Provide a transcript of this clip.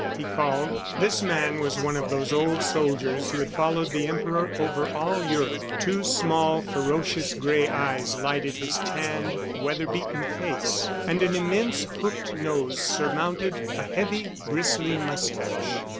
he called. This man was one of those old soldiers who had followed the Emperor over all Europe. Two small, ferocious gray eyes lighted his tanned, weather beaten face, and an immense hooked nose surmounted a heavy, bristling mustache.